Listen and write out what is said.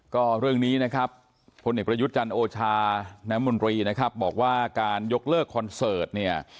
ก็เรื่องนี้นะครับพลเอกประยุทธ์จันทร์โอชาน้ำมนตรีนะครับบอกว่าการยกเลิกคอนเสิร์ตเนี่ย